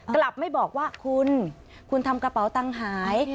กลับไม่บอกว่าคุณคุณทำกระเป๋าตังค์หาย